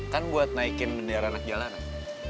kan buat naikin bendera anak jalanan